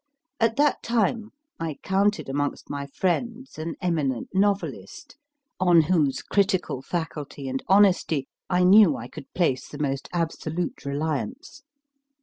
At that time I counted amongst my friends an eminent novelist, on whose critical faculty and honesty I knew I could place the 202 MY FIRST BOOK most absolute reliance.